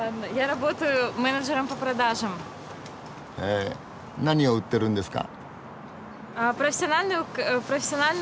へえ何を売ってるんですか？